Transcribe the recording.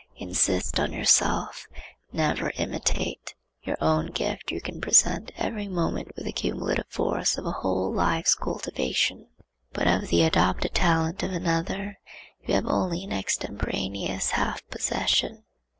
Insist on yourself; never imitate. Your own gift you can present every moment with the cumulative force of a whole life's cultivation; but of the adopted talent of another you have only an extemporaneous half possession.